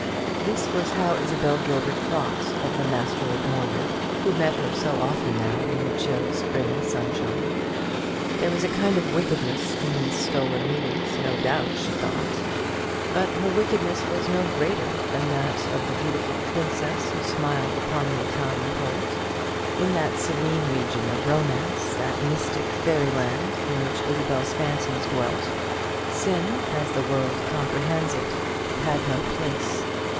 This was how Isabel Gilbert thought of the master of Mordred, who met her so often now in the chill spring sunshine. There was a kind of wickedness in these stolen meetings, no doubt, she thought; but her wickedness was no greater than that of the beautiful princess who smiled upon the Italian poet. In that serene region of romance, that mystic fairy land in which Isabel's fancies dwelt, sin, as the world comprehends it, had no place.